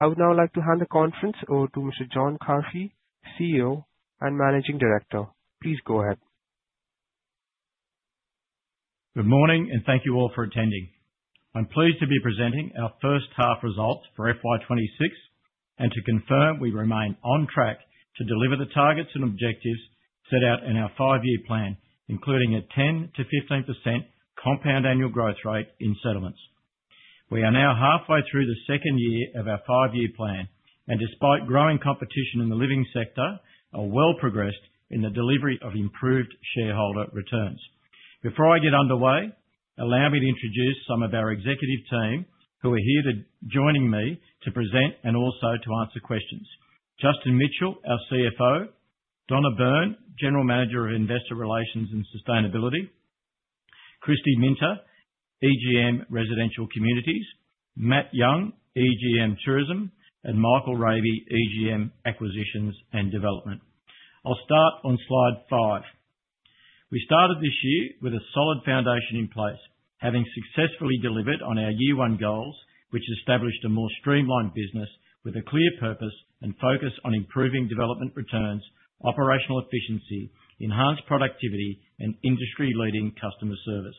I would now like to hand the conference over to Mr. John Carfi, CEO and Managing Director. Please go ahead. Good morning. Thank you all for attending. I'm pleased to be presenting our first half results for FY26, to confirm we remain on track to deliver the targets and objectives set out in our five-year plan, including a 10%-15% compound annual growth rate in settlements. We are now halfway through the second year of our five-year plan, despite growing competition in the living sector, are well progressed in the delivery of improved shareholder returns. Before I get underway, allow me to introduce some of our executive team who are here joining me to present and also to answer questions. Justin Mitchell, our CFO, Donna Byrne, General Manager Investor Relations & Sustainability, Kristy Minter, EGM Residential Communities, Matthew Young, EGM Tourism, and Michael Rabey, EGM Acquisitions and Development. I'll start on slide 5. We started this year with a solid foundation in place, having successfully delivered on our year one goals, which established a more streamlined business with a clear purpose and focus on improving development returns, operational efficiency, enhanced productivity, and industry-leading customer service.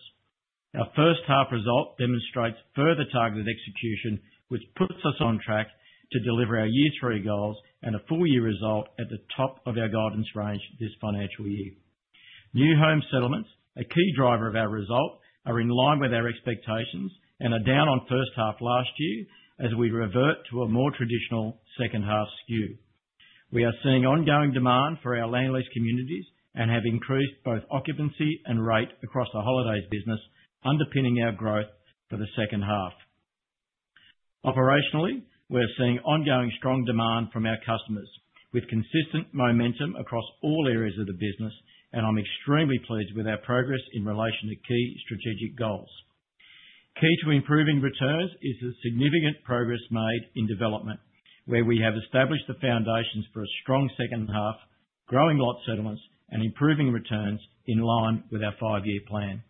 Our first half result demonstrates further targeted execution, which puts us on track to deliver our year three goals and a full year result at the top of our guidance range this financial year. New home settlements, a key driver of our result, are in line with our expectations and are down on first half last year as we revert to a more traditional second half skew. We are seeing ongoing demand for our land lease communities and have increased both occupancy and rate across the holidays business, underpinning our growth for the second half. Operationally, we are seeing ongoing strong demand from our customers, with consistent momentum across all areas of the business, and I'm extremely pleased with our progress in relation to key strategic goals. Key to improving returns is the significant progress made in development, where we have established the foundations for a strong second half, growing lot settlements, and improving returns in line with our five-year plan.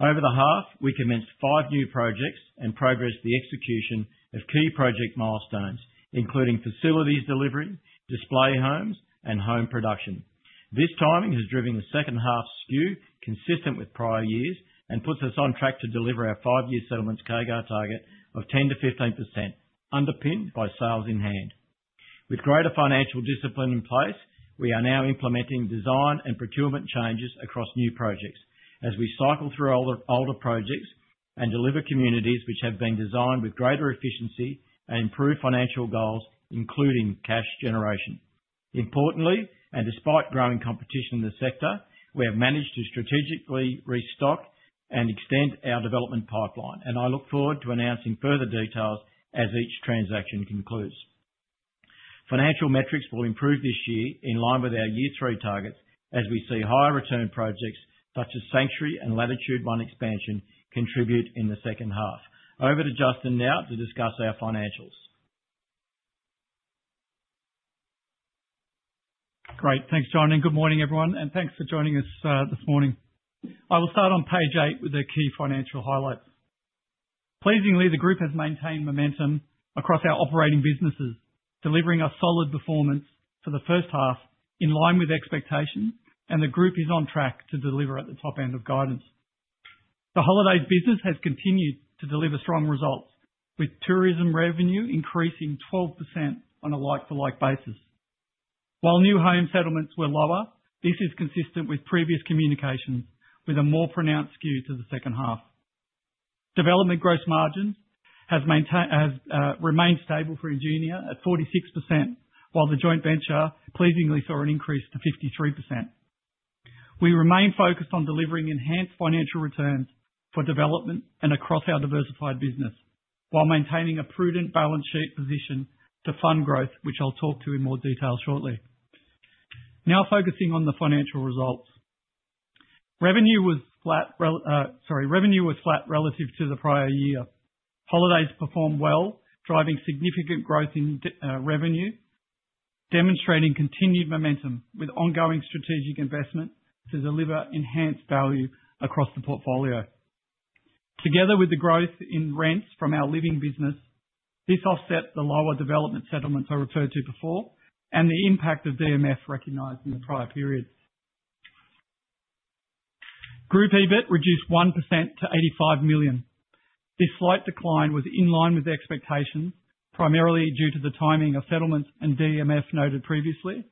Over the half, we commenced five new projects and progressed the execution of key project milestones, including facilities delivery, display homes, and home production. This timing has driven the second half skew consistent with prior years and puts us on track to deliver our five-year settlements CAGR target of 10%-15%, underpinned by sales in-hand. With greater financial discipline in place, we are now implementing design and procurement changes across new projects as we cycle through older, older projects and deliver communities which have been designed with greater efficiency and improved financial goals, including cash generation. Importantly, and despite growing competition in the sector, we have managed to strategically restock and extend our development pipeline, and I look forward to announcing further details as each transaction concludes. Financial metrics will improve this year in line with our year three targets as we see higher return projects, such as Sanctuary and Latitude One expansion, contribute in the second half. Over to Justin now to discuss our financials. Great! Thanks, John. Good morning, everyone, and thanks for joining us this morning. I will start on page 8 with the key financial highlights. Pleasingly, the group has maintained momentum across our operating businesses, delivering a solid performance for the first half in line with expectations. The group is on track to deliver at the top end of guidance. The holidays business has continued to deliver strong results, with tourism revenue increasing 12% on a like-to-like basis. While new home settlements were lower, this is consistent with previous communications, with a more pronounced skew to the second half. Development gross margins has remained stable for Ingenia at 46%, while the joint venture pleasingly saw an increase to 53%. We remain focused on delivering enhanced financial returns for development and across our diversified business, while maintaining a prudent balance sheet position to fund growth, which I'll talk to in more detail shortly. Now, focusing on the financial results. Revenue was flat, sorry, revenue was flat relative to the prior year. Holidays performed well, driving significant growth in revenue, demonstrating continued momentum with ongoing strategic investment to deliver enhanced value across the portfolio. Together with the growth in rents from our living business, this offsets the lower development settlements I referred to before and the impact of DMF recognized in the prior period. Group EBIT reduced 1% to 85 million. This slight decline was in line with expectations, primarily due to the timing of settlements and DMF noted previously,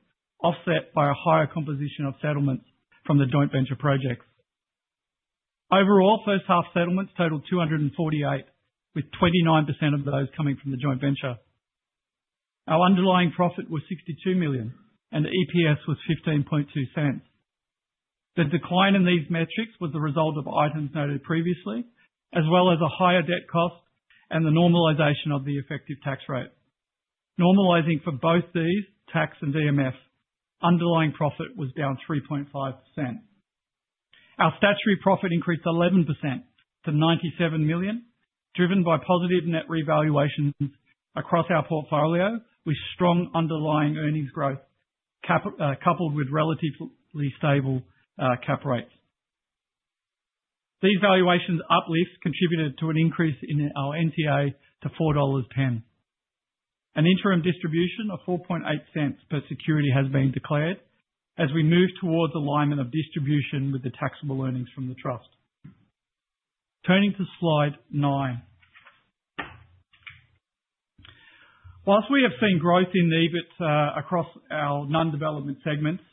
offset by a higher composition of settlements from the joint venture projects. Overall, first half settlements totaled 248, with 29% of those coming from the joint venture. Our underlying profit was 62 million, and the EPS was 0.152. The decline in these metrics was the result of items noted previously, as well as a higher debt cost and the normalization of the effective tax rate. Normalizing for both these, tax and DMF, underlying profit was down 3.5%. Our statutory profit increased 11% to 97 million, driven by positive net revaluations across our portfolio, with strong underlying earnings growth cap, coupled with relatively stable cap rates. These valuations uplifts contributed to an increase in our NTA to 4.10 dollars. An interim distribution of 0.048 per security has been declared, as we move towards alignment of distribution with the taxable earnings from the trust. Turning to slide 9. Whilst we have seen growth in EBIT across our non-development segments,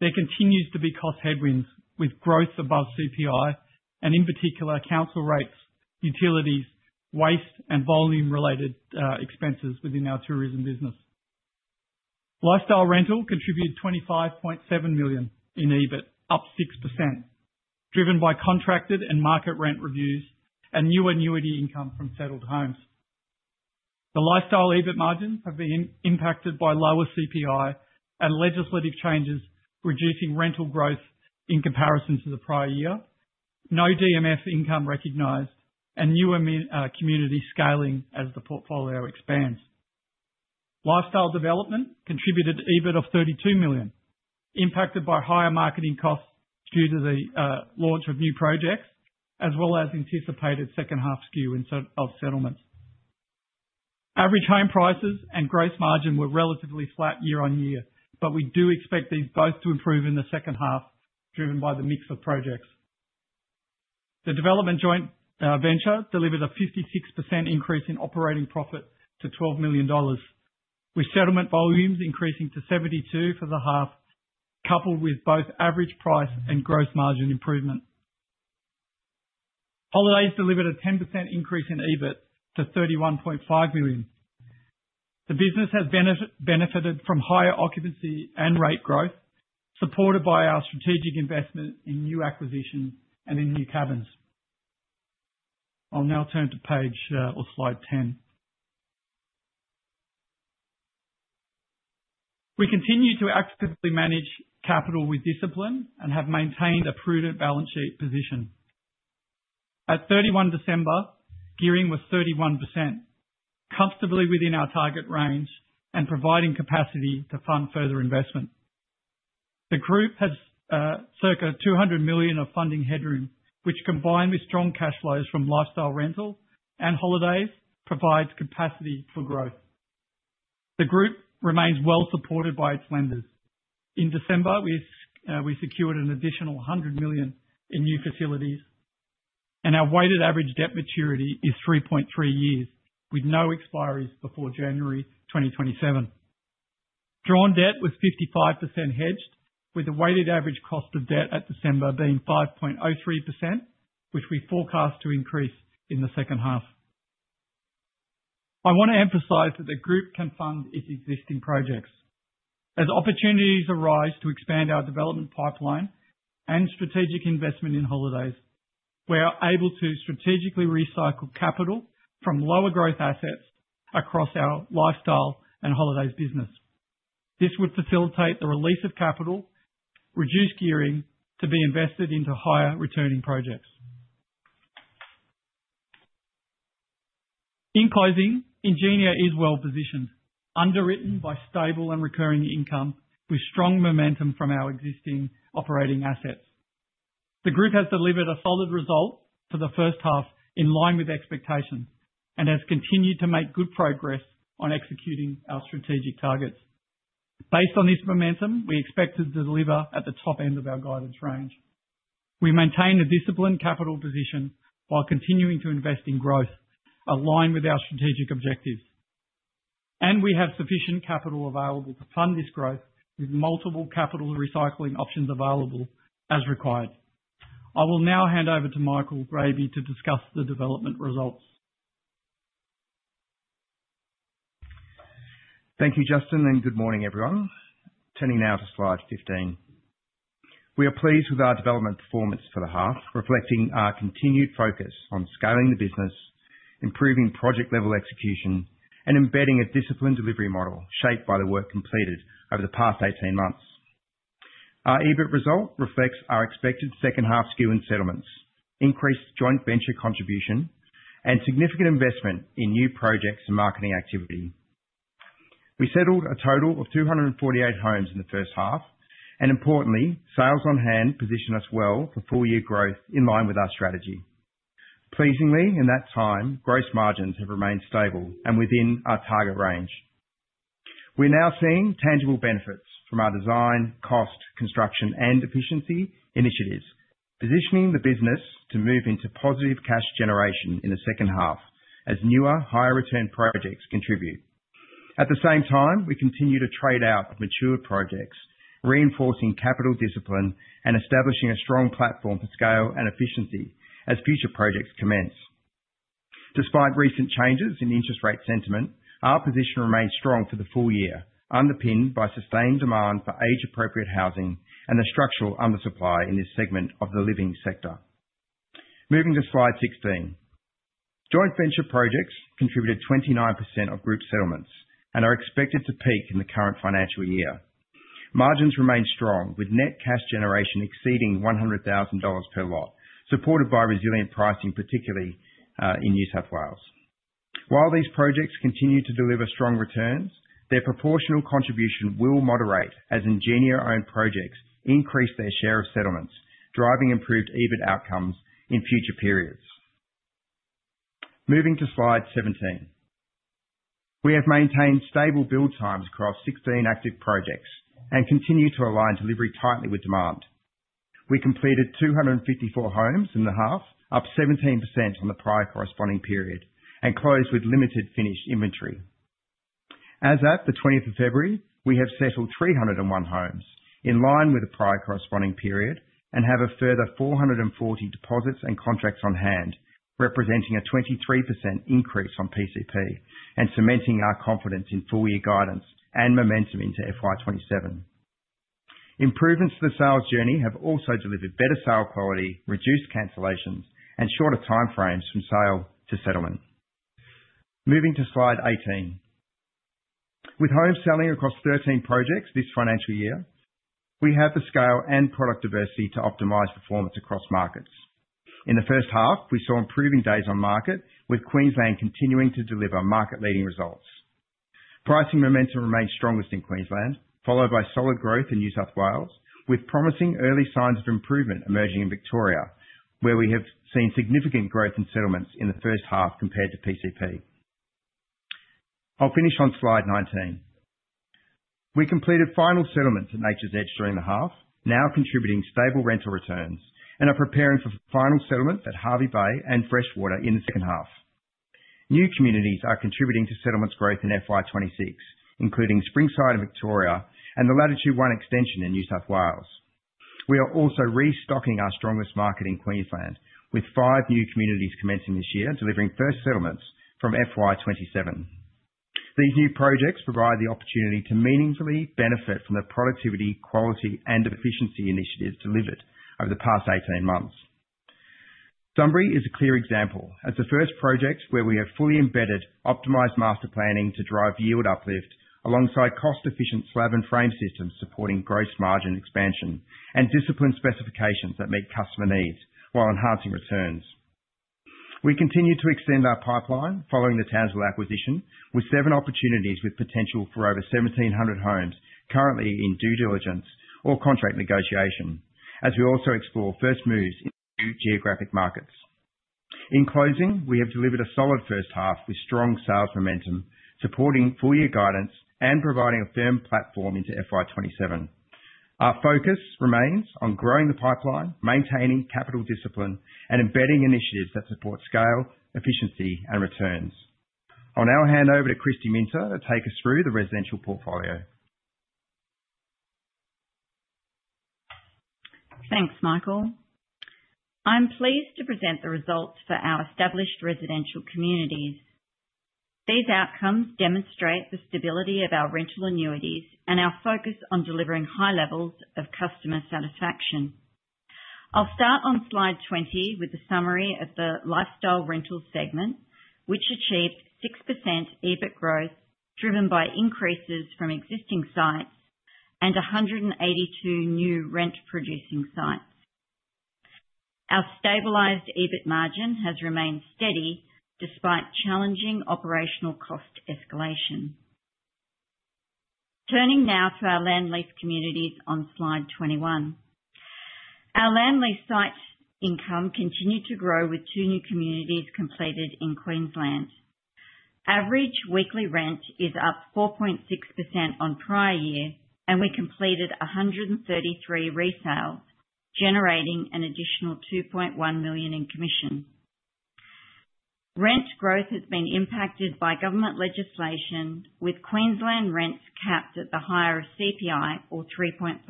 there continues to be cost headwinds, with growth above CPI, and in particular, council rates, utilities, waste, and volume-related expenses within our tourism business. Lifestyle Rental contributed 25.7 million in EBIT, up 6%, driven by contracted and market rent reviews and new annuity income from settled homes. The lifestyle EBIT margins have been impacted by lower CPI and legislative changes, reducing rental growth in comparison to the prior year. No DMF income recognized and new community scaling as the portfolio expands. Lifestyle Development contributed to EBIT of 32 million, impacted by higher marketing costs due to the launch of new projects, as well as anticipated second half skew of settlements. Average home prices and gross margin were relatively flat year-on-year, but we do expect these both to improve in the second half, driven by the mix of projects. The development joint venture delivered a 56% increase in operating profit to 12 million dollars, with settlement volumes increasing to 72 for the half, coupled with both average price and gross margin improvement. Holidays delivered a 10% increase in EBIT to 31.5 million. The business has benefited from higher occupancy and rate growth, supported by our strategic investment in new acquisitions and in new cabins. I'll now turn to page or slide 10. We continue to actively manage capital with discipline and have maintained a prudent balance sheet position. At 31 December, gearing was 31%, comfortably within our target range and providing capacity to fund further investment. The group has circa 200 million of funding headroom, which combined with strong cash flows from Lifestyle Rental and Holidays, provides capacity for growth. The group remains well supported by its lenders. In December, we secured an additional 100 million in new facilities. Our weighted average debt maturity is 3.3 years, with no expiries before January 2027. Drawn debt was 55% hedged, with the weighted average cost of debt at December being 5.03%, which we forecast to increase in the second half. I want to emphasize that the group can fund its existing projects. As opportunities arise to expand our development pipeline and strategic investment in Holidays, we are able to strategically recycle capital from lower growth assets across our Lifestyle and Holidays business. This would facilitate the release of capital, reduce gearing to be invested into higher returning projects. In closing, Ingenia is well positioned, underwritten by stable and recurring income, with strong momentum from our existing operating assets. The group has delivered a solid result for the first half, in line with expectations, and has continued to make good progress on executing our strategic targets. Based on this momentum, we expect to deliver at the top end of our guidance range. We maintain a disciplined capital position while continuing to invest in growth, aligned with our strategic objectives. We have sufficient capital available to fund this growth, with multiple capital recycling options available as required. I will now hand over to Michael Rabey to discuss the development results. Thank you, Justin, and good morning, everyone. Turning now to slide 15. We are pleased with our development performance for the half, reflecting our continued focus on scaling the business, improving project level execution, and embedding a disciplined delivery model shaped by the work completed over the past 18 months. Our EBIT result reflects our expected second half skew in settlements, increased joint venture contribution, and significant investment in new projects and marketing activity. We settled a total of 248 homes in the first half, and importantly, sales on hand position us well for full year growth in line with our strategy. Pleasingly, in that time, gross margins have remained stable and within our target range. We're now seeing tangible benefits from our design, cost, construction, and efficiency initiatives, positioning the business to move into positive cash generation in the second half as newer, higher return projects contribute. At the same time, we continue to trade out mature projects, reinforcing capital discipline and establishing a strong platform for scale and efficiency as future projects commence. Despite recent changes in interest rate sentiment, our position remains strong for the full year, underpinned by sustained demand for age-appropriate housing and the structural undersupply in this segment of the living sector. Moving to slide 16. Joint venture projects contributed 29% of group settlements and are expected to peak in the current financial year. Margins remain strong, with net cash generation exceeding 100,000 dollars per lot, supported by resilient pricing, particularly in New South Wales. While these projects continue to deliver strong returns, their proportional contribution will moderate as Ingenia-owned projects increase their share of settlements, driving improved EBIT outcomes in future periods. Moving to Slide 17. We have maintained stable build times across 16 active projects and continue to align delivery tightly with demand. We completed 254 homes in the half, up 17% from the prior corresponding period, and closed with limited finished inventory. As at the 20th of February, we have settled 301 homes, in line with the prior corresponding period, and have a further 440 deposits and contracts on hand, representing a 23% increase on PCP and cementing our confidence in full year guidance and momentum into FY27. Improvements to the sales journey have also delivered better sale quality, reduced cancellations, and shorter timeframes from sale to settlement. Moving to Slide 18. With homes selling across 13 projects this financial year, we have the scale and product diversity to optimize performance across markets. In the first half, we saw improving days on market, with Queensland continuing to deliver market-leading results. Pricing momentum remains strongest in Queensland, followed by solid growth in New South Wales, with promising early signs of improvement emerging in Victoria, where we have seen significant growth in settlements in the first half compared to PCP. I'll finish on Slide 19. We completed final settlements at Nature's Edge during the half, now contributing stable rental returns, and are preparing for final settlement at Hervey Bay and Freshwater in the second half. New communities are contributing to settlements growth in FY26, including Springside in Victoria and the Latitude One extension in New South Wales. We are also restocking our strongest market in Queensland, with 5 new communities commencing this year, delivering first settlements from FY27. These new projects provide the opportunity to meaningfully benefit from the productivity, quality, and efficiency initiatives delivered over the past 18 months. Sunbury is a clear example, as the first project where we have fully embedded optimized master planning to drive yield uplift, alongside cost-efficient slab and frame systems, supporting gross margin expansion and disciplined specifications that meet customer needs while enhancing returns. We continue to extend our pipeline following the Townsville acquisition, with 7 opportunities, with potential for over 1,700 homes currently in due diligence or contract negotiation, as we also explore first moves in new geographic markets. In closing, we have delivered a solid first half with strong sales momentum, supporting full year guidance and providing a firm platform into FY27. Our focus remains on growing the pipeline, maintaining capital discipline, and embedding initiatives that support scale, efficiency, and returns. I'll now hand over to Kristy Minter to take us through the residential portfolio. Thanks, Michael Rabey. I'm pleased to present the results for our established residential communities. These outcomes demonstrate the stability of our rental annuities and our focus on delivering high levels of customer satisfaction. I'll start on slide 20 with a summary of the Lifestyle Rental segment, which achieved 6% EBIT growth, driven by increases from existing sites and 182 new rent-producing sites. Our stabilized EBIT margin has remained steady despite challenging operational cost escalation. Turning now to our land lease communities on slide 21. Our land lease sites income continued to grow with two new communities completed in Queensland. Average weekly rent is up 4.6% on prior year. I completed 133 resales, generating an additional 2.1 million in commission. Rent growth has been impacted by government legislation, with Queensland rents capped at the higher of CPI or 3.5%,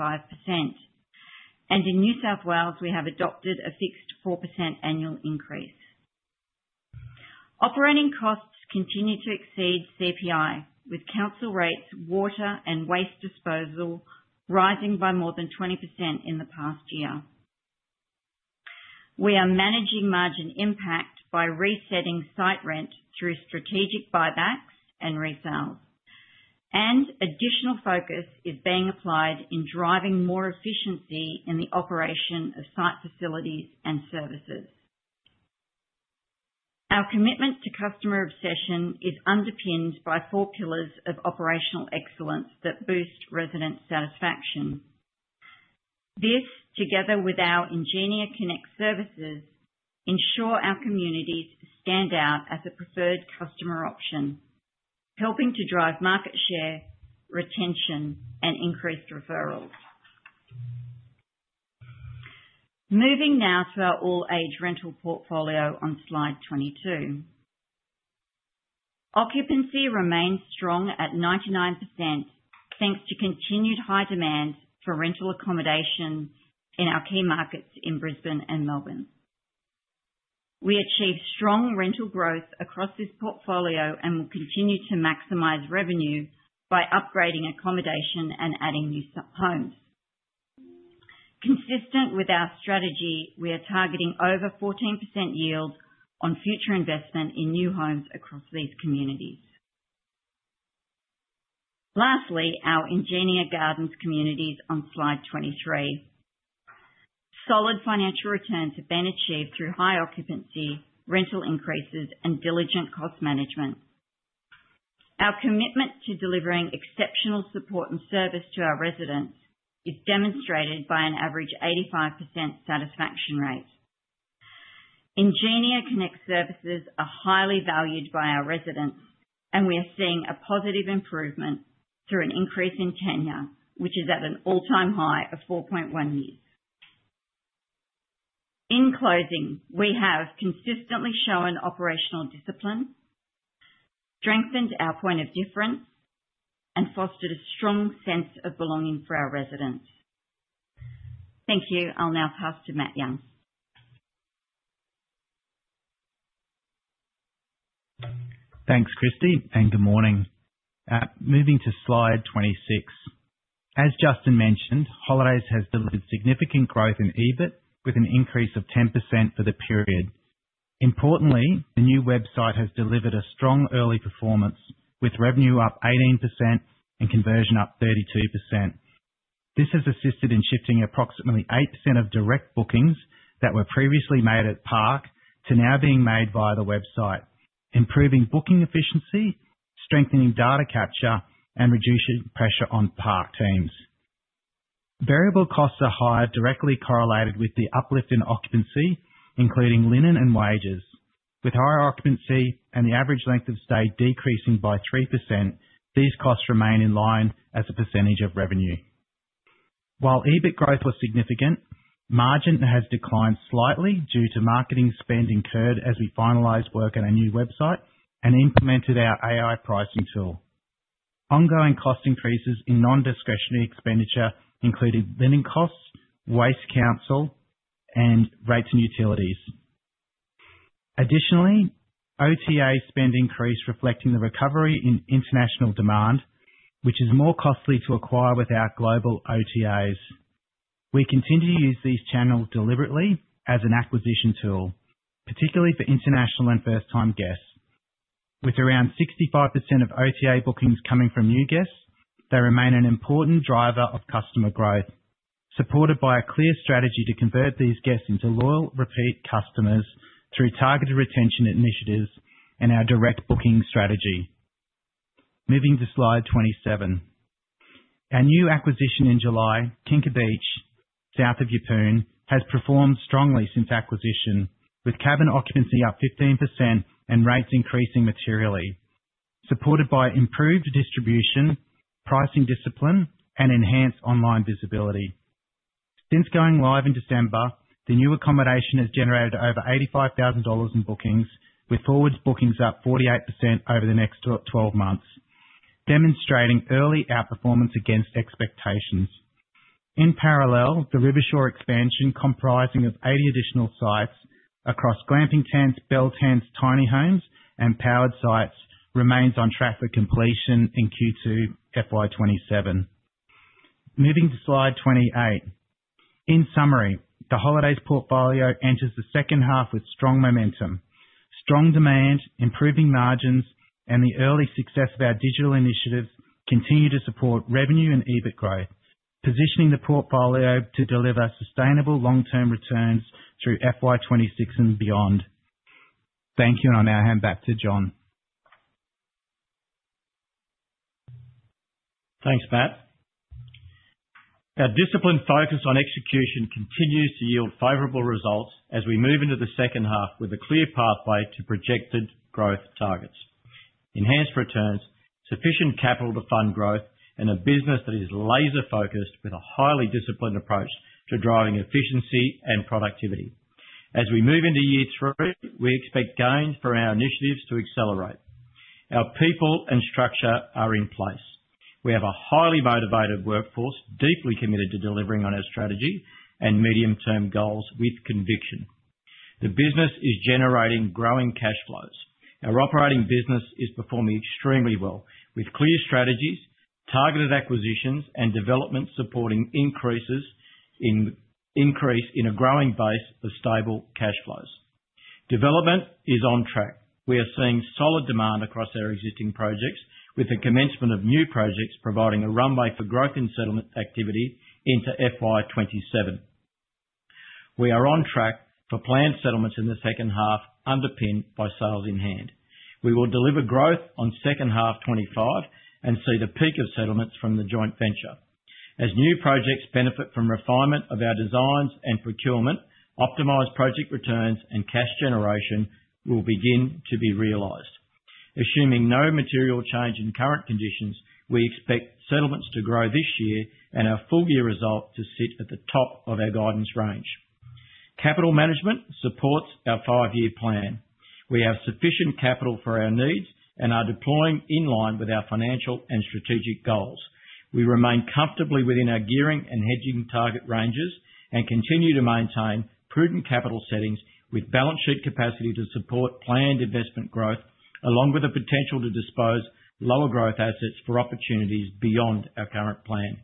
and in New South Wales, we have adopted a fixed 4% annual increase. Operating costs continue to exceed CPI, with council rates, water, and waste disposal rising by more than 20% in the past year. We are managing margin impact by resetting site rent through strategic buybacks and resales, and additional focus is being applied in driving more efficiency in the operation of site facilities and services. Our commitment to customer obsession is underpinned by four pillars of operational excellence that boost resident satisfaction. This, together with our Ingenia Connect services, ensure our communities stand out as a preferred customer option, helping to drive market share, retention, and increased referrals. Moving now to our all-age rental portfolio on slide 22. Occupancy remains strong at 99%, thanks to continued high demand for rental accommodation in our key markets in Brisbane and Melbourne. We achieved strong rental growth across this portfolio and will continue to maximize revenue by upgrading accommodation and adding new s- homes. Consistent with our strategy, we are targeting over 14% yield on future investment in new homes across these communities. Lastly, our Ingenia Gardens communities on slide 23. Solid financial returns have been achieved through high occupancy, rental increases, and diligent cost management. Our commitment to delivering exceptional support and service to our residents is demonstrated by an average 85% satisfaction rate. Ingenia Connect services are highly valued by our residents, and we are seeing a positive improvement through an increase in tenure, which is at an all-time high of 4.1 years. In closing, we have consistently shown operational discipline, strengthened our point of difference, and fostered a strong sense of belonging for our residents. Thank you. I'll now pass to Matthew Young. Thanks, Christie, and good morning. Moving to slide 26. As Justin mentioned, Holidays has delivered significant growth in EBIT with an increase of 10% for the period. Importantly, the new website has delivered a strong early performance, with revenue up 18% and conversion up 32%. This has assisted in shifting approximately 8% of direct bookings that were previously made at park to now being made via the website, improving booking efficiency, strengthening data capture, and reducing pressure on park teams. Variable costs are higher, directly correlated with the uplift in occupancy, including linen and wages. With higher occupancy and the average length of stay decreasing by 3%, these costs remain in line as a percentage of revenue. While EBIT growth was significant, margin has declined slightly due to marketing spend incurred as we finalized work on our new website and implemented our AI pricing tool. Ongoing cost increases in non-discretionary expenditure, including linen costs, waste council, and rates and utilities. Additionally, OTA spend increased, reflecting the recovery in international demand, which is more costly to acquire with our global OTAs. We continue to use these channels deliberately as an acquisition tool, particularly for international and first-time guests. With around 65% of OTA bookings coming from new guests, they remain an important driver of customer growth, supported by a clear strategy to convert these guests into loyal, repeat customers through targeted retention initiatives and our direct booking strategy. Moving to slide 27. Our new acquisition in July, Kinka Beach, south of Yeppoon, has performed strongly since acquisition, with cabin occupancy up 15% and rates increasing materially, supported by improved distribution, pricing discipline, and enhanced online visibility. Since going live in December, the new accommodation has generated over 85,000 dollars in bookings, with forwards bookings up 48% over the next 12 months, demonstrating early outperformance against expectations. In parallel, the Rivershore expansion, comprising of 80 additional sites across glamping tents, bell tents, tiny homes, and powered sites, remains on track for completion in Q2 FY27. Moving to slide 28. In summary, the holidays portfolio enters the second half with strong momentum. Strong demand, improving margins, and the early success of our digital initiatives continue to support revenue and EBIT growth, positioning the portfolio to deliver sustainable long-term returns through FY26 and beyond. Thank you. I now hand back to John. Thanks, Matt. Our disciplined focus on execution continues to yield favorable results as we move into the second half with a clear pathway to projected growth targets, enhanced returns, sufficient capital to fund growth, and a business that is laser-focused with a highly disciplined approach to driving efficiency and productivity. As we move into year three, we expect gains for our initiatives to accelerate. Our people and structure are in place. We have a highly motivated workforce, deeply committed to delivering on our strategy and medium-term goals with conviction. The business is generating growing cash flows. Our operating business is performing extremely well, with clear strategies, targeted acquisitions, and development, supporting increase in a growing base of stable cash flows. Development is on track. We are seeing solid demand across our existing projects, with the commencement of new projects providing a runway for growth and settlement activity into FY27. We are on track for planned settlements in the second half, underpinned by sales in-hand. We will deliver growth on second half 2025 and see the peak of settlements from the joint venture. As new projects benefit from refinement of our designs and procurement, optimized project returns and cash generation will begin to be realized. Assuming no material change in current conditions, we expect settlements to grow this year and our full year result to sit at the top of our guidance range. Capital management supports our five-year plan. We have sufficient capital for our needs and are deploying in line with our financial and strategic goals. We remain comfortably within our gearing and hedging target ranges and continue to maintain prudent capital settings with balance sheet capacity to support planned investment growth, along with the potential to dispose lower growth assets for opportunities beyond our current plan.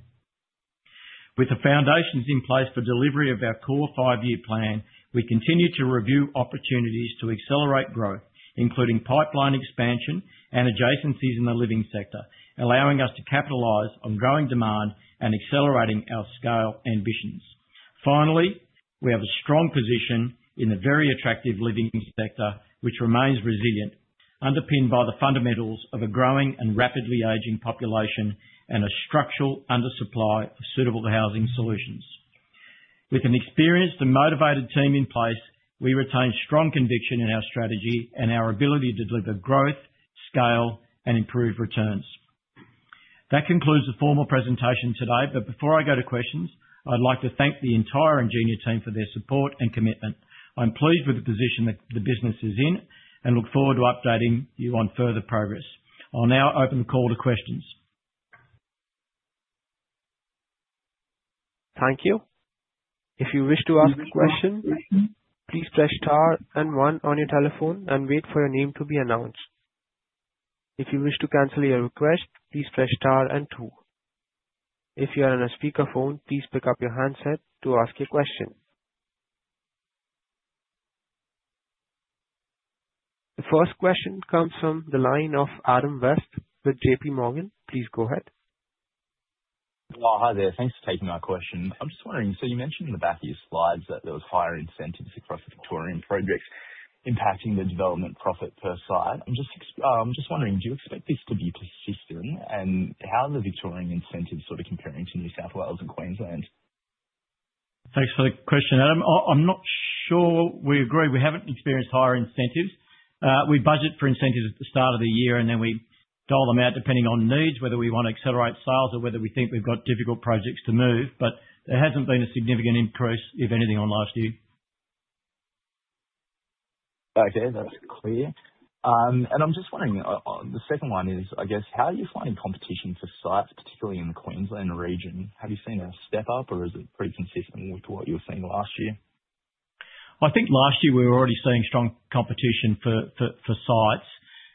With the foundations in place for delivery of our core five-year plan, we continue to review opportunities to accelerate growth, including pipeline expansion and adjacencies in the living sector, allowing us to capitalize on growing demand and accelerating our scale ambitions. Finally, we have a strong position in the very attractive living sector, which remains resilient, underpinned by the fundamentals of a growing and rapidly aging population and a structural undersupply of suitable housing solutions. With an experienced and motivated team in place, we retain strong conviction in our strategy and our ability to deliver growth, scale, and improved returns. That concludes the formal presentation today, but before I go to questions, I'd like to thank the entire Ingenia team for their support and commitment. I'm pleased with the position that the business is in, and look forward to updating you on further progress. I'll now open the call to questions. Thank you. If you wish to ask a question, please press star and 1 on your telephone and wait for your name to be announced. If you wish to cancel your request, please press star and 2. If you are on a speakerphone, please pick up your handset to ask your question. The first question comes from the line of Adam West with JP Morgan. Please go ahead. Well, hi there. Thanks for taking my question. I'm just wondering, you mentioned in the back of your slides that there was higher incentives across the Victorian projects impacting the development profit per site. Do you expect this to be persistent, and how are the Victorian incentives sort of comparing to New South Wales and Queensland? Thanks for the question, Adam. I'm not sure we agree. We haven't experienced higher incentives. We budget for incentives at the start of the year, and then we dole them out depending on needs, whether we want to accelerate sales or whether we think we've got difficult projects to move, but there hasn't been a significant increase, if anything, on last year. Okay, that's clear. I'm just wondering, the second one is, I guess, how are you finding competition for sites, particularly in the Queensland region? Have you seen a step up, or is it pretty consistent with what you were seeing last year? I think last year we were already seeing strong competition for, for, for sites.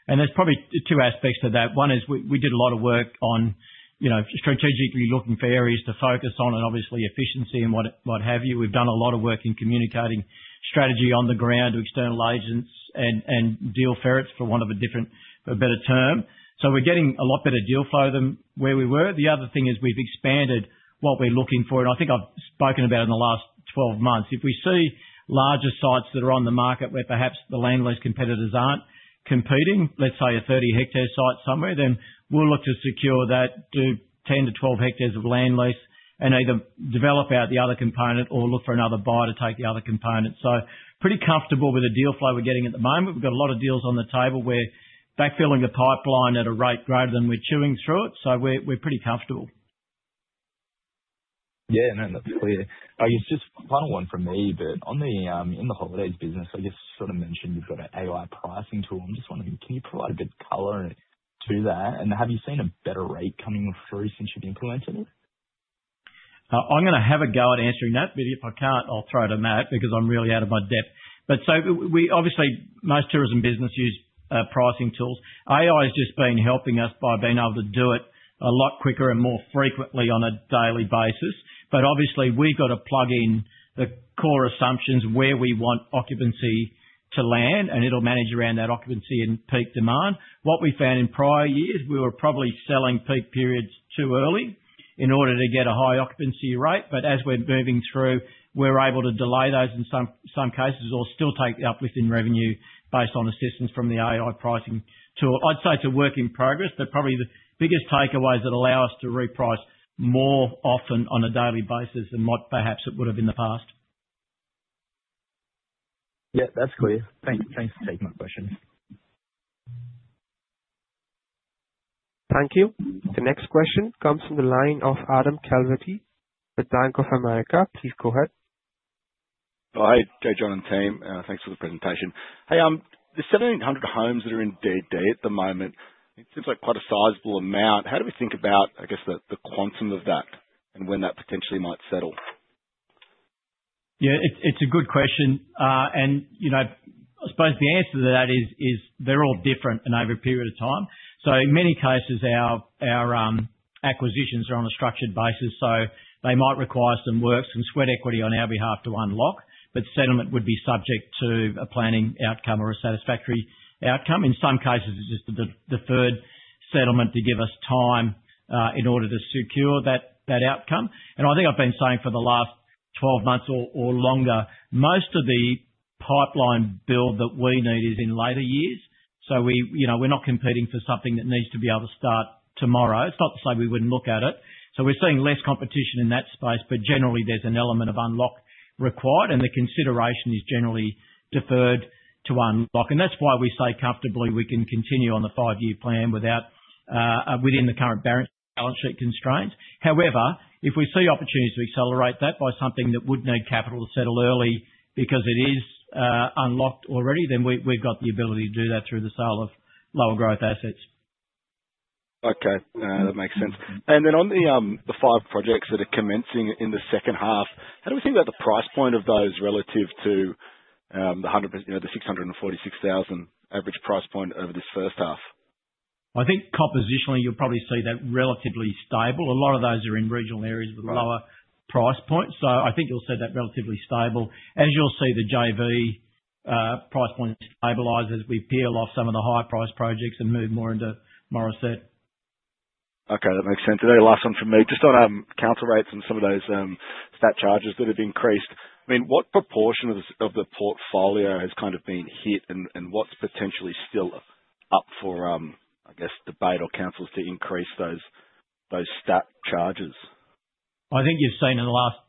There's probably 2 aspects to that. One is we, we did a lot of work on, you know, strategically looking for areas to focus on and obviously efficiency and what, what have you. We've done a lot of work in communicating strategy on the ground to external agents and, and deal ferrets, for want of a different, a better term. We're getting a lot better deal flow than where we were. The other thing is we've expanded what we're looking for, and I think I've spoken about in the last 12 months. If we see larger sites that are on the market where perhaps the land lease competitors aren't competing, let's say a 30 hectare site somewhere, then we'll look to secure that, do 10 to 12 hectares of land lease and either develop out the other component or look for another buyer to take the other component. Pretty comfortable with the deal flow we're getting at the moment. We've got a lot of deals on the table. We're backfilling the pipeline at a rate greater than we're chewing through it, so we're pretty comfortable. Yeah. No, that's clear. I guess just final one from me, but on the in the holidays business, I guess you sort of mentioned you've got an AI pricing tool. I'm just wondering, can you provide a bit of color to that, and have you seen a better rate coming through since you've implemented it? I'm gonna have a go at answering that, but if I can't, I'll throw it to Matt, because I'm really out of my depth. Obviously, most tourism business use pricing tools. AI has just been helping us by being able to do it a lot quicker and more frequently on a daily basis. Obviously, we've got to plug in the core assumptions where we want occupancy to land, and it'll manage around that occupancy and peak demand. What we found in prior years, we were probably selling peak periods too early in order to get a high occupancy rate. As we're moving through, we're able to delay those in some, some cases or still take the uplift in revenue based on assistance from the AI pricing tool. I'd say it's a work in progress, but probably the biggest takeaways that allow us to reprice more often on a daily basis than what perhaps it would have in the past. Yeah, that's clear. Thanks for taking my question. Thank you. The next question comes from the line of Adam Calvetti with Bank of America. Please go ahead. Oh, hi, John and team. Thanks for the presentation. Hey, the 1,700 homes that are in DD at the moment, it seems like quite a sizable amount. How do we think about, I guess, the, the quantum of that and when that potentially might settle? Yeah, it's, it's a good question. You know, I suppose the answer to that is, is they're all different and over a period of time. In many cases, our, our acquisitions are on a structured basis, so they might require some work, some sweat equity on our behalf to unlock, but settlement would be subject to a planning outcome or a satisfactory outcome. In some cases, it's just a deferred settlement to give us time in order to secure that, that outcome. I think I've been saying for the last 12 months or, or longer, most of the pipeline build that we need is in later years. We, you know, we're not competing for something that needs to be able to start tomorrow. It's not to say we wouldn't look at it. We're seeing less competition in that space, but generally there's an element of unlock required, and the consideration is generally deferred to unlock. That's why we say comfortably we can continue on the five-year plan within the current balance sheet constraints. However, if we see opportunities to accelerate that by something that would need capital to settle early because it is unlocked already, then we, we've got the ability to do that through the sale of lower growth assets. Okay, that makes sense. Then on the 5 projects that are commencing in the second half, how do we think about the price point of those relative to the 646,000 average price point over this first half? I think compositionally, you'll probably see that relatively stable. A lot of those are in regional areas with lower price points, so I think you'll see that relatively stable. As you'll see, the JV price point stabilizes as we peel off some of the high price projects and move more into Morisset. Okay, that makes sense. Then last one from me, just on council rates and some of those stat charges that have increased. I mean, what proportion of the, of the portfolio has kind of been hit, and, and what's potentially still up for, I guess, debate or councils to increase those, those stat charges? I think you've seen in the last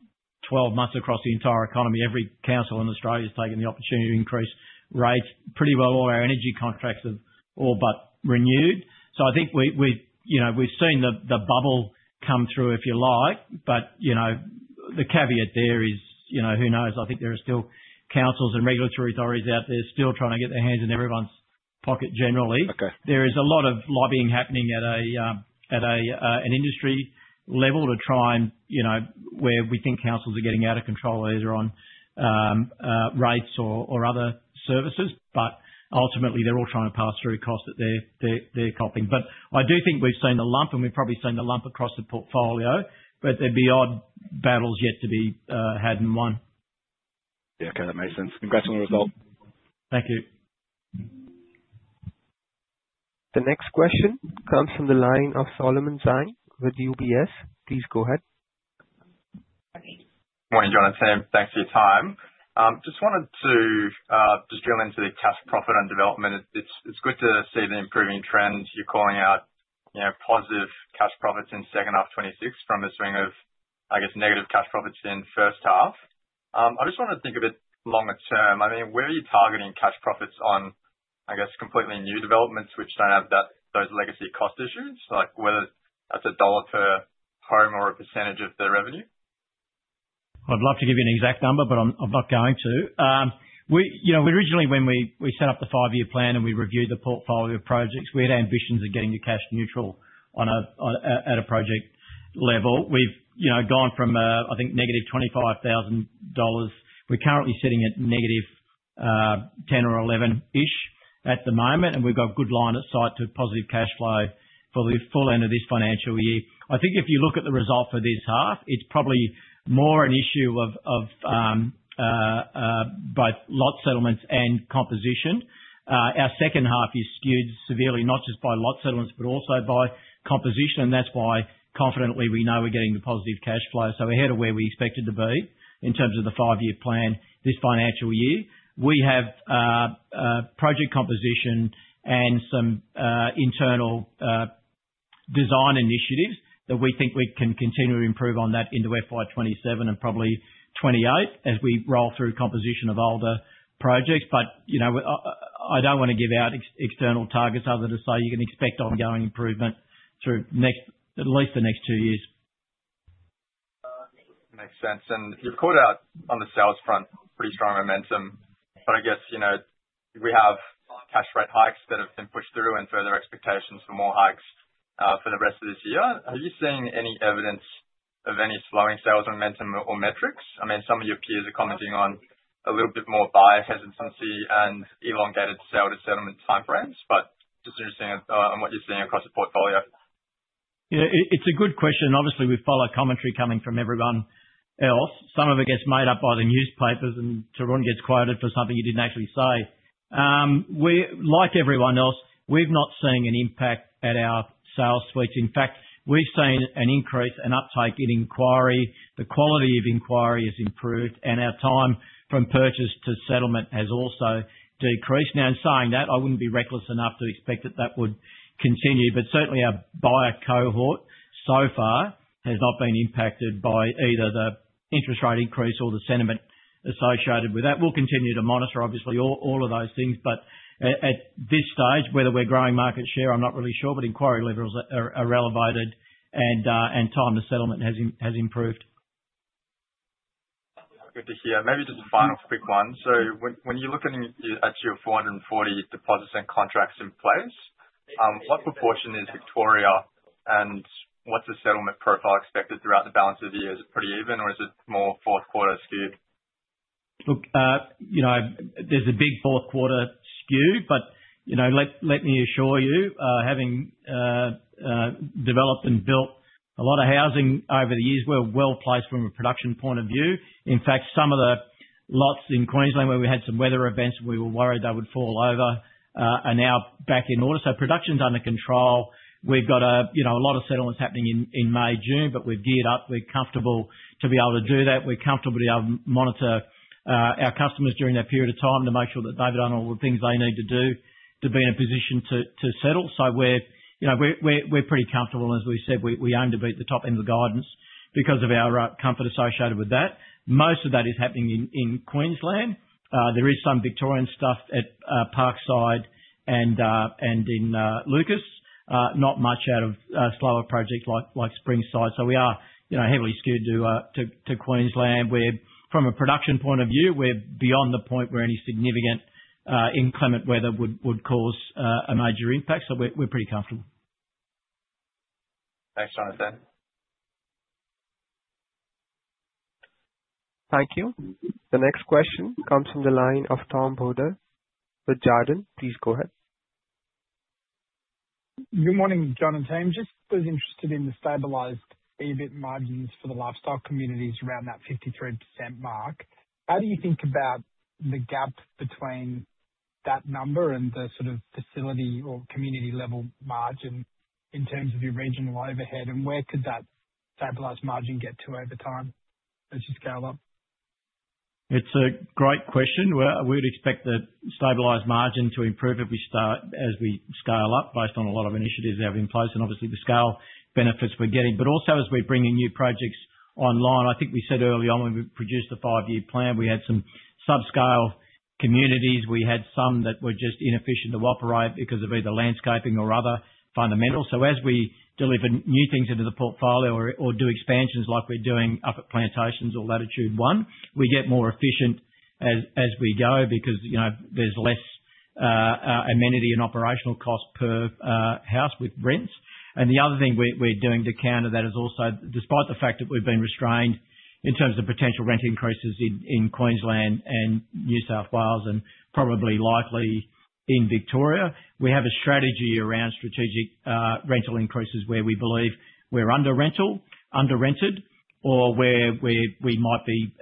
12 months across the entire economy, every council in Australia has taken the opportunity to increase rates. Pretty well all our energy contracts have all but renewed, I think we, we've, you know, we've seen the, the bubble come through, if you like. You know, the caveat there is, you know, who knows? I think there are still councils and regulatory authorities out there still trying to get their hands in everyone's pocket generally. Okay. There is a lot of lobbying happening at a, at a, an industry level to try and, you know, where we think councils are getting out of control, either on, rates or, or other services, but ultimately they're all trying to pass through costs that they're, they're, they're copping. I do think we've seen the lump, and we've probably seen the lump across the portfolio, but there'll be odd battles yet to be, had and won. Yeah, okay, that makes sense. Congrats on the result. Thank you. The next question comes from the line of Solomon Zhang with UBS. Please go ahead. Morning, Jonathan. Thanks for your time. Just wanted to just drill into the cash profit and development. It's, it's good to see the improving trends. You're calling out, you know, positive cash profits in second half 2026 from a swing of negative cash profits in first half. I just want to think of it longer term. I mean, where are you targeting cash profits on completely new developments which don't have that, those legacy cost issues? Like, whether that's an AUD per home or a % of the revenue? I'd love to give you an exact number, but I'm, I'm not going to. We, you know, originally when we, we set up the five-year plan and we reviewed the portfolio of projects, we had ambitions of getting to cash neutral on a, on a, at a project level. We've, you know, gone from, I think negative 25,000 dollars. We're currently sitting at negative 10,000 or 11,000-ish at the moment, and we've got good line of sight to positive cashflow for the full end of this financial year. I think if you look at the result for this half, it's probably more an issue of, of, both lot settlements and composition. Our second half is skewed severely, not just by lot settlements, but also by composition, and that's why confidently, we know we're getting the positive cashflow. We're ahead of where we expected to be in terms of the 5-year plan this financial year. We have project composition and some internal design initiatives that we think we can continue to improve on that into FY27 and probably FY28 as we roll through composition of older projects. You know, I, I, I don't want to give out ex-external targets other to say you can expect ongoing improvement through next... at least the next 2 years. Makes sense. You've called out on the sales front, pretty strong momentum, I guess, you know, we have cash rate hikes that have been pushed through and further expectations for more hikes for the rest of this year. Have you seen any evidence of any slowing sales momentum or metrics? I mean, some of your peers are commenting on a little bit more buyer hesitancy and elongated sale to settlement timeframes. Just interested in on what you're seeing across the portfolio. Yeah, it's a good question. Obviously, we follow commentary coming from everyone else. Some of it gets made up by the newspapers. Torune gets quoted for something he didn't actually say. Like everyone else, we've not seen an impact at our sales rates. In fact, we've seen an increase and uptake in inquiry, the quality of inquiry has improved. Our time from purchase to settlement has also decreased. In saying that, I wouldn't be reckless enough to expect that that would continue. Certainly our buyer cohort so far has not been impacted by either the interest rate increase or the sentiment associated with that. We'll continue to monitor, obviously, all, all of those things, but at, at this stage, whether we're growing market share, I'm not really sure, but inquiry levels are, are elevated and time to settlement has improved. Good to hear. Maybe just a final quick one: when, when you're looking at your 440 deposits and contracts in place, what proportion is Victoria, and what's the settlement profile expected throughout the balance of the year? Is it pretty even, or is it more fourth quarter skewed? Look, you know, there's a big fourth quarter skew, but, you know, let, let me assure you, having developed and built a lot of housing over the years, we're well-placed from a production point of view. In fact, some of the lots in Queensland, where we had some weather events, we were worried they would fall over, are now back in order. Production's under control. We've got a, you know, a lot of settlements happening in, in May, June, but we're geared up. We're comfortable to be able to do that. We're comfortable to be able to monitor, our customers during that period of time to make sure that they've done all the things they need to do to be in a position to, to settle. We're, you know, we're, we're, we're pretty comfortable. As we said, we, we aim to be at the top end of the guidance because of our comfort associated with that. Most of that is happening in, in Queensland. There is some Victorian stuff at Parkside and and in Lucas, not much out of slower projects like, like Springside. We are, you know, heavily skewed to to Queensland, where from a production point of view, we're beyond the point where any significant inclement weather would, would cause a major impact. We're, we're pretty comfortable. Thanks, Jonathan. Thank you. The next question comes from the line of Tom Bodor with Jarden. Please go ahead. Good morning, Jonathan. Just was interested in the stabilized EBIT margins for the lifestyle communities around that 53% mark. How do you think about the gap between that number and the sort of facility or community level margin in terms of your regional overhead? Where could that stabilized margin get to over time as you scale up? It's a great question. Well, we'd expect the stabilized margin to improve as we scale up, based on a lot of initiatives we have in place, and obviously the scale benefits we're getting. Also as we bring in new projects online, I think we said early on when we produced a 5-year plan, we had some subscale communities. We had some that were just inefficient to operate because of either landscaping or other fundamentals. As we deliver new things into the portfolio or, or do expansions like we're doing up at Plantations or Latitude One, we get more efficient as, as we go because, you know, there's less amenity and operational cost per house with rents. The other thing we're doing to counter that is also, despite the fact that we've been restrained in terms of potential rent increases in Queensland and New South Wales, and probably likely in Victoria, we have a strategy around strategic rental increases, where we believe we're under rental, underrented, or where we might be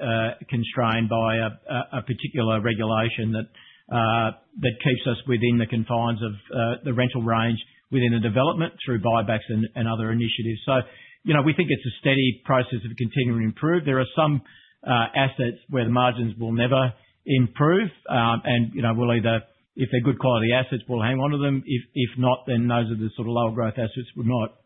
constrained by a particular regulation that keeps us within the confines of the rental range within a development through buybacks and other initiatives. You know, we think it's a steady process of continuing to improve. There are some assets where the margins will never improve. You know, we'll either... If they're good quality assets, we'll hang on to them. If, if not, then those are the sort of lower growth assets we'll not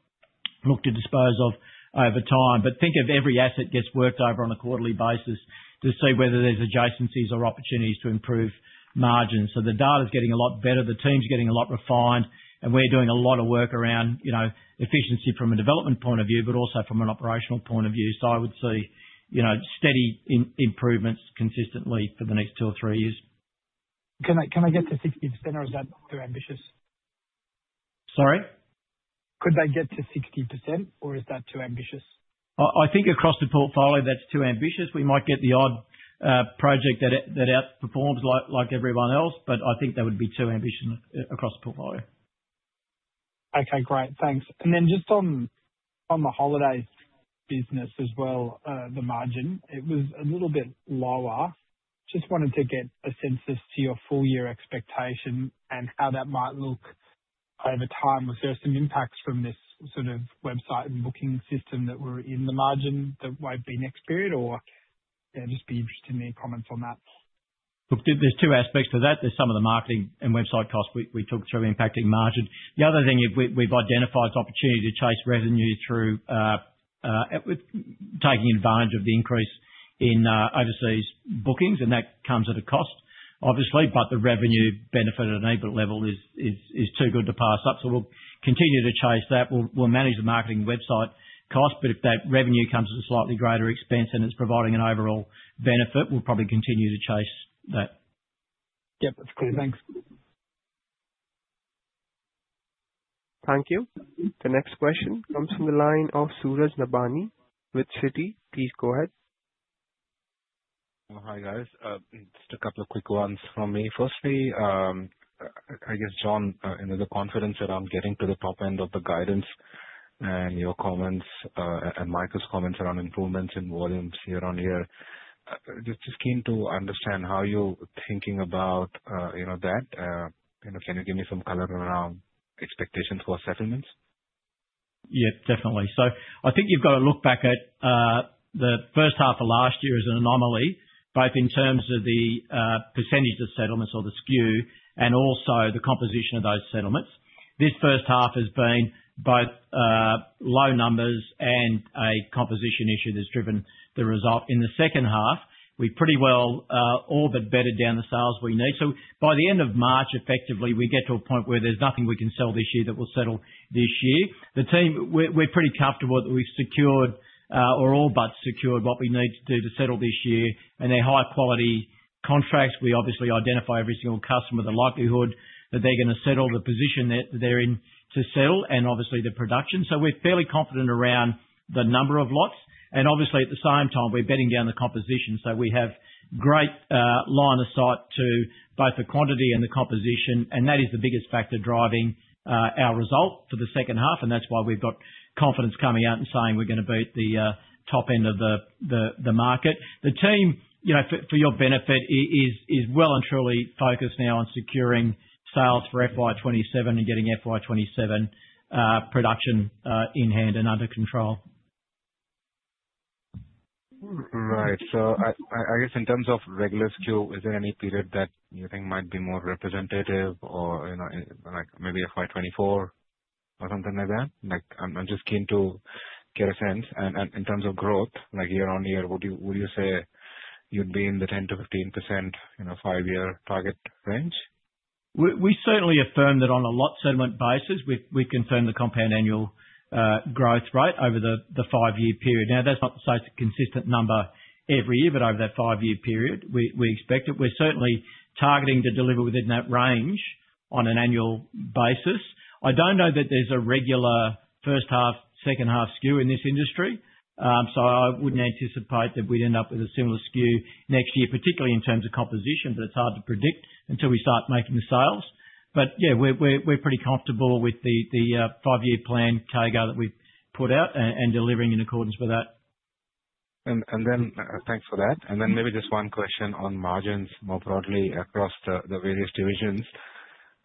look to dispose of over time. Think of every asset gets worked over on a quarterly basis to see whether there's adjacencies or opportunities to improve margins. The data's getting a lot better, the team's getting a lot refined, and we're doing a lot of work around, you know, efficiency from a development point of view, but also from an operational point of view. I would see, you know, steady improvements consistently for the next two or three years. Can I, can I get to 60%, or is that too ambitious? Sorry? Could they get to 60%, or is that too ambitious? I, I think across the portfolio, that's too ambitious. We might get the odd project that, that outperforms like, like everyone else, but I think that would be too ambitious across the portfolio. Okay, great. Thanks. Then just on, on the holidays business as well, the margin, it was a little bit lower. Just wanted to get a census to your full year expectation and how that might look over time. Was there some impacts from this sort of website and booking system that were in the margin that won't be next period, or? Yeah, just be interested in any comments on that. Look, there, there's two aspects to that. There's some of the marketing and website costs we, we talked through impacting margins. The other thing is we, we've identified is opportunity to chase revenue through with taking advantage of the increase in overseas bookings, and that comes at a cost, obviously, but the revenue benefit at an EBIT level is, is, is too good to pass up. We'll continue to chase that. We'll, we'll manage the marketing website cost, but if that revenue comes at a slightly greater expense and it's providing an overall benefit, we'll probably continue to chase that. Yep, that's clear. Thanks. Thank you. The next question comes from the line of Suraj Nebhani with Citi. Please go ahead. Oh, hi, guys. Just a couple of quick ones from me. Firstly, I, I guess, John, in the confidence around getting to the top end of the guidance and your comments, and Michael's comments around improvements in volumes year-on-year, just, just keen to understand how you're thinking about, you know, that. You know, can you give me some color around expectations for settlements? Yeah, definitely. I think you've got to look back at the first half of last year as an anomaly, both in terms of the % of settlements or the SKU, and also the composition of those settlements. This first half has been both low numbers and a composition issue that's driven the result. In the second half, we pretty well all but bedded down the sales we need. By the end of March, effectively, we get to a point where there's nothing we can sell this year that will settle this year. We're, we're pretty comfortable that we've secured or all but secured what we need to do to settle this year, and they're high quality contracts. We obviously identify every single customer, the likelihood that they're gonna settle, the position that they're in to settle, and obviously the production. We're fairly confident around the number of lots, and obviously at the same time, we're bedding down the composition. We have great line of sight to both the quantity and the composition, and that is the biggest factor driving our result for the second half, and that's why we've got confidence coming out and saying we're gonna beat the top end of the, the, the market. The team, you know, for, for your benefit, is well and truly focused now on securing sales for FY27 and getting FY27 production in hand and under control. Right. I, I, I guess in terms of regular SKU, is there any period that you think might be more representative or, you know, like maybe FY24 or something like that? Like, I'm, I'm just keen to get a sense. In terms of growth, like year-over-year, would you, would you say you'd be in the 10%-15%, you know, five-year target range? We, we certainly affirm that on a lot settlement basis, we've, we've confirmed the compound annual growth rate over the, the five-year period. Now, that's not to say it's a consistent number every year, but over that five-year period, we, we expect it. We're certainly targeting to deliver within that range. On an annual basis. I don't know that there's a regular first half, second half skew in this industry. I wouldn't anticipate that we'd end up with a similar skew next year, particularly in terms of composition, but it's hard to predict until we start making the sales. Yeah, we're, we're, we're pretty comfortable with the, the five-year plan CAGR that we've put out and, and delivering in accordance with that. Then, thanks for that. Then maybe just one question on margins more broadly across the various divisions.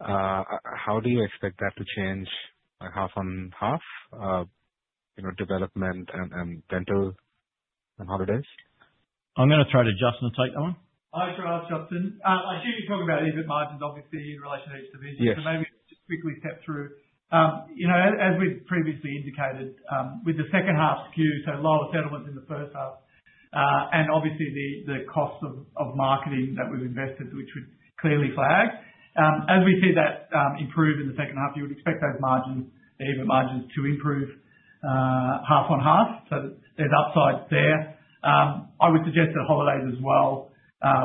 How do you expect that to change half on half, you know, development and rental and holidays? I'm gonna try to Justin to take that one. I'll try Justin. I assume you're talking about EBIT margins, obviously, in relation to each division. Yes. Maybe just quickly step through. You know, as, as we've previously indicated, with the second half skew, so a lot of settlements in the first half, and obviously the, the cost of, of marketing that we've invested, which we've clearly flagged. As we see that improve in the second half, you would expect those margins, the EBIT margins, to improve half on half. There's upside there. I would suggest that holidays as well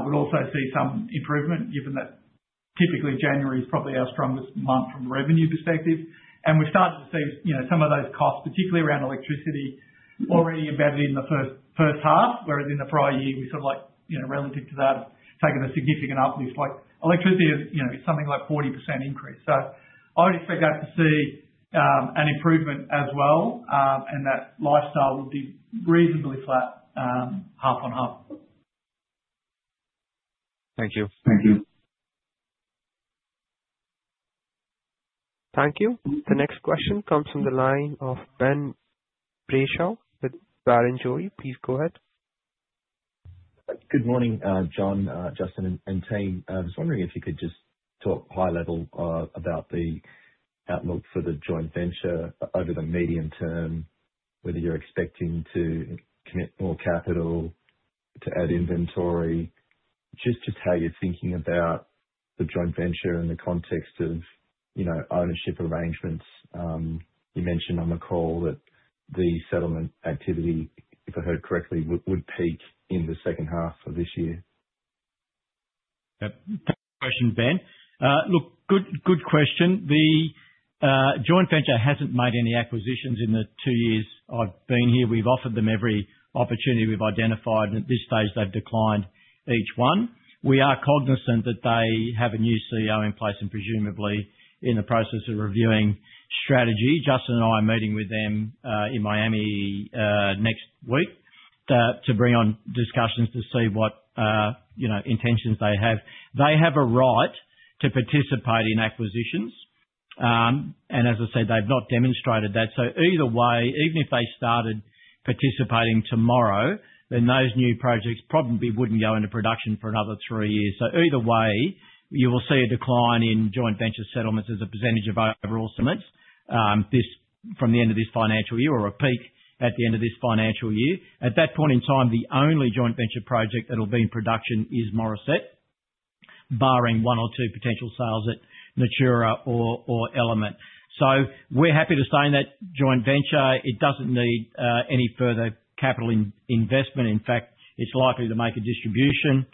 would also see some improvement, given that typically January is probably our strongest month from a revenue perspective. We're starting to see, you know, some of those costs, particularly around electricity, already embedded in the first, first half, whereas in the prior year, we sort of like, you know, relative to that, have taken a significant uplift. Like, electricity is, you know, is something like 40% increase. I'd expect that to see an improvement as well, and that lifestyle will be reasonably flat, half on half. Thank you. Thank you. Thank you. The next question comes from the line of Ben Prashaw with Barrenjoey. Please go ahead. Good morning, John, Justin, and team. I was wondering if you could just talk high level about the outlook for the joint venture over the medium term, whether you're expecting to commit more capital to add inventory. Just to tell your thinking about the joint venture in the context of, you know, ownership arrangements. You mentioned on the call that the settlement activity, if I heard correctly, would peak in the second half of this year. Yep. Good question, Ben. Look, good, good question. The joint venture hasn't made any acquisitions in the 2 years I've been here. We've offered them every opportunity we've identified, and at this stage, they've declined each one. We are cognizant that they have a new CEO in place and presumably in the process of reviewing strategy. Justin and I are meeting with them in Miami next week to bring on discussions to see what, you know, intentions they have. They have a right to participate in acquisitions, and as I said, they've not demonstrated that. Either way, even if they started participating tomorrow, then those new projects probably wouldn't go into production for another 3 years. Either way, you will see a decline in joint venture settlements as a percentage of overall settlements, this... from the end of this financial year or a peak at the end of this financial year. At that point in time, the only joint venture project that will be in production is Morisset, barring one or two potential sales at Natura or, or Element. We're happy to stay in that joint venture. It doesn't need any further capital investment. In fact, it's likely to make a distribution.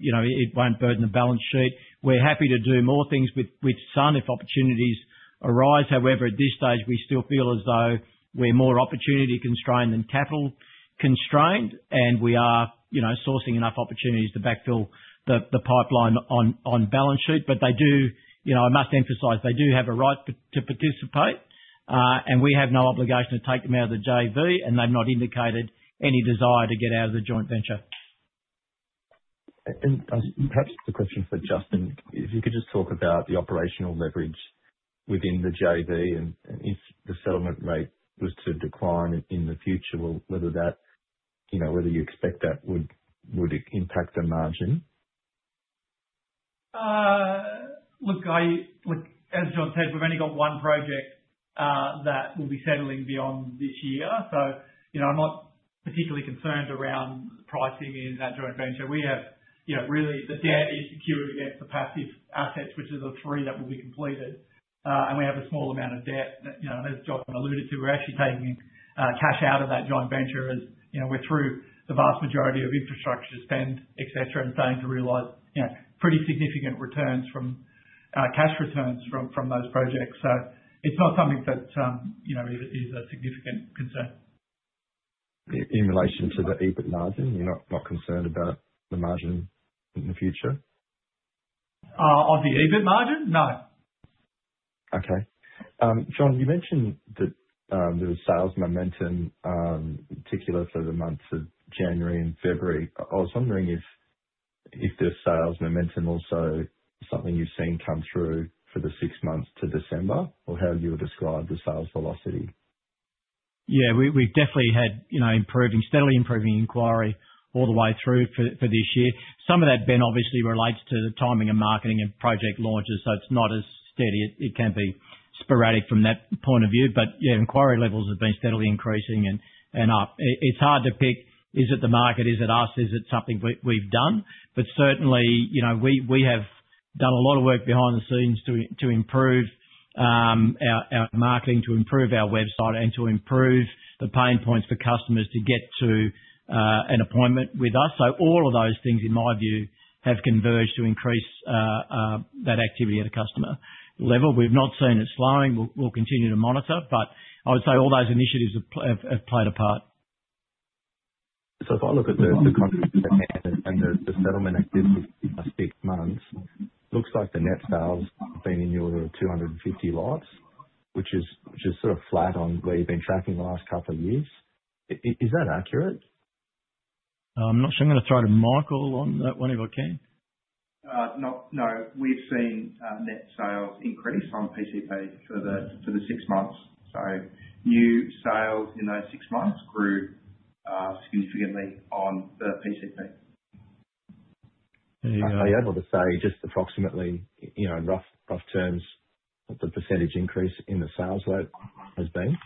You know, it won't burden the balance sheet. We're happy to do more things with, with Sun if opportunities arise. However, at this stage, we still feel as though we're more opportunity-constrained than capital-constrained, and we are, you know, sourcing enough opportunities to backfill the, the pipeline on, on balance sheet. You know, I must emphasize, they do have a right to, to participate, and we have no obligation to take them out of the JV, and they've not indicated any desire to get out of the joint venture. Perhaps the question for Justin: If you could just talk about the operational leverage within the JV, and, and if the settlement rate was to decline in the future, well, whether that... you know, whether you expect that would, would impact the margin? I-- look, as John said, we've only got one project that will be settling beyond this year. You know, I'm not particularly concerned around pricing in that joint venture. We have, you know, really, the debt is secured against the passive assets, which is the three that will be completed. We have a small amount of debt that, you know, as John alluded to, we're actually taking cash out of that joint venture. As you know, we're through the vast majority of infrastructure spend, et cetera, and starting to realize, you know, pretty significant returns from cash returns from, from those projects. It's not something that, you know, is, is a significant concern. In relation to the EBIT margin, you're not, not concerned about the margin in the future? On the EBIT margin? No. Okay. John, you mentioned that there was sales momentum, particularly for the months of January and February. I was wondering if the sales momentum also something you've seen come through for the six months to December, or how you would describe the sales velocity? We, we've definitely had, you know, improving, steadily improving inquiry all the way through for, for this year. Some of that, Ben, obviously relates to the timing of marketing and project launches, so it's not as steady. It, it can be sporadic from that point of view, but inquiry levels have been steadily increasing and, and up. It's hard to pick, is it the market? Is it us? Is it something we, we've done? Certainly, you know, we, we have done a lot of work behind the scenes to, to improve our marketing, to improve our website, and to improve the pain points for customers to get to an appointment with us. All of those things, in my view, have converged to increase that activity at a customer level. We've not seen it slowing. We'll, we'll continue to monitor, but I would say all those initiatives have played a part. If I look at the, the contract and the, the settlement activity in the last 8 months, looks like the net sales have been in the order of 250 lots, which is, which is sort of flat on where you've been tracking the last couple of years. Is that accurate? I'm not sure. I'm gonna throw to Michael on that one, if I can. No, no. We've seen net sales increase on PCP for the, for the 6 months. New sales in those 6 months grew significantly on the PCP. Are you able to say just approximately, you know, in rough, rough terms, what the % increase in the sales load has been?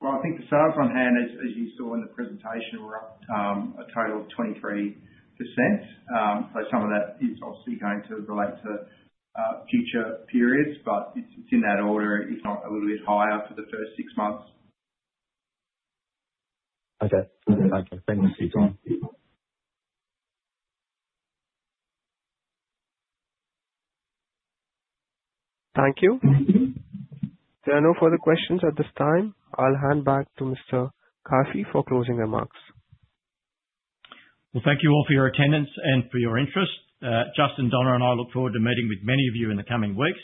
Well, I think the sales front hand, as, as you saw in the presentation, were up, a total of 23%. Some of that is obviously going to relate to future periods, but it's, it's in that order, if not a little bit higher for the first 6 months. Okay. Thank you. Thanks, John. Thank you. There are no further questions at this time. I'll hand back to Mr. Carfi for closing remarks. Well, thank you all for your attendance and for your interest. Justin, Donna, and I look forward to meeting with many of you in the coming weeks.